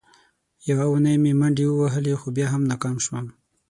یوه اونۍ مې منډې ووهلې، خو بیا هم ناکام شوم.